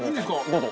どうぞ。